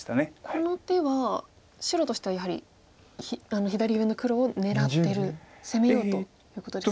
この手は白としてはやはり左上の黒を狙ってる攻めようということですか。